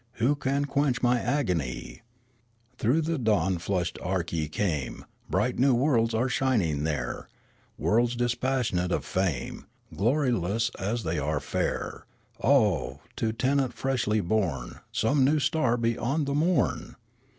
Who can quench my agony ? Through the dawn flushed arch ye came ; Bright new worlds are shining there, Worlds dispassionate of fame, Gloryless as they are fair. Oh ! to tenant freshly born Some new star beyond the morn